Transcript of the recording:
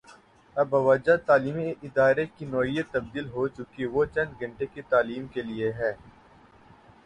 اب بوجوہ تعلیمی ادارے کی نوعیت تبدیل ہو چکی وہ چند گھنٹے کی تعلیم کے لیے ہے۔